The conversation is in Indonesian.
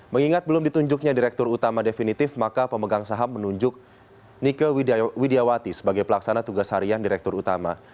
mengingat belum ditunjuknya direktur utama definitif maka pemegang saham menunjuk nike widiawati sebagai pelaksana tugas harian direktur utama